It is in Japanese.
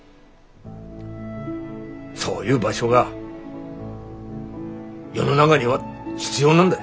そういう場所が世の中には必要なんだ。